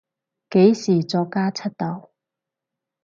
幾時作家出道？